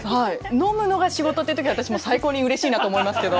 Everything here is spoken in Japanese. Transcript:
飲むのが仕事っていう時私も最高にうれしいなと思いますけど。